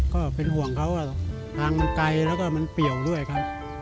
ก็เป็นห่วงเขาทางมันไกลแล้วก็มันเปี่ยวด้วยครับ